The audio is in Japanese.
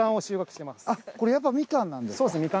これやっぱりみかんなんですか？